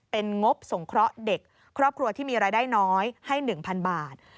เป็นงบสงเคราะห์เด็กครอบครัวที่มีรายได้น้อยให้๑๐๐๐บาท